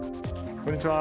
こんにちは。